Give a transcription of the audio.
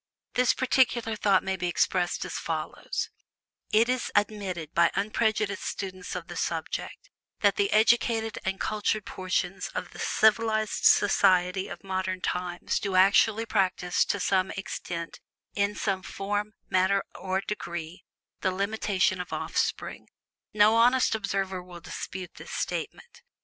This particular thought may be expressed as follows: It is admitted by unprejudiced students of the subject that the educated and cultured portions of the civilized countries of modern times do actually practice, to some extent, in some form, manner, or degree, the limitation of offspring no honest observer will dispute this statement.